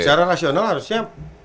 secara rasional harusnya